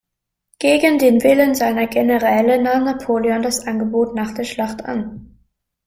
Gegen den Willen seiner Generäle nahm Napoleon das Angebot nach der Schlacht an.